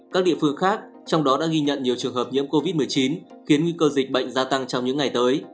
các địa phương khác trong đó đã ghi nhận nhiều trường hợp nhiễm covid một mươi chín khiến nguy cơ dịch bệnh gia tăng trong những ngày tới